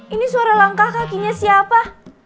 ini suara langkah kakinya siapa